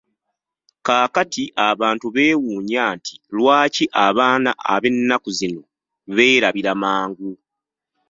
Kaakati abantu beewuunya nti: Lwaki abaana ab'ennaku zino beerabira mangu?